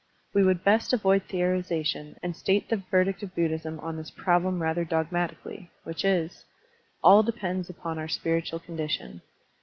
We would best avoid theorization and state the verdict of Buddhism on this problem rather dogmatically, which is: All depends upon our spiritual condition.